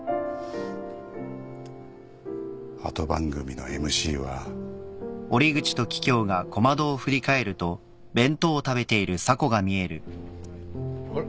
後番組のＭＣは。あれ？